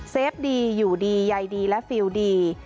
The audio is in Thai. ฟดีอยู่ดีใยดีและฟิลดี